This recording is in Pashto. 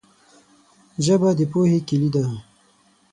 ژبه د پوهې کلي ده